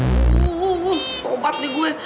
aduh bobat nih gue